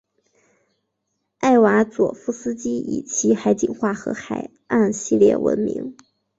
艾瓦佐夫斯基以其海景画和海岸系列闻名。